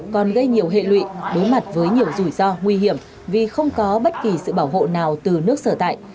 còn gây nhiều hệ lụy đối mặt với nhiều rủi ro nguy hiểm vì không có bất kỳ sự bảo hộ nào từ nước sở tại